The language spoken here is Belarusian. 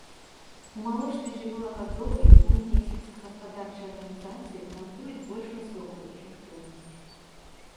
У малочнай жывёлагадоўлі буйныя сельскагаспадарчыя арганізацыі дэманструюць больш высокую эфектыўнасць.